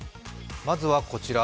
まずはこちら。